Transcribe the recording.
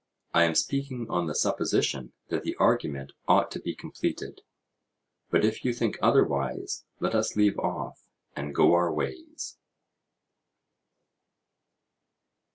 I am speaking on the supposition that the argument ought to be completed; but if you think otherwise let us leave off and go our ways.